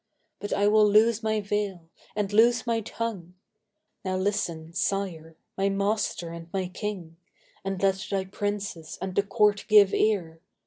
But I will loose my veil and loose my tongue! Now listen, sire—my master and my king; And let thy princes and the court give ear!